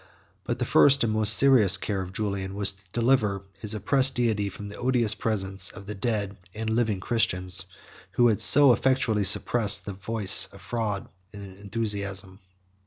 But the first and most serious care of Julian was to deliver his oppressed deity from the odious presence of the dead and living Christians, who had so effectually suppressed the voice of fraud or enthusiasm.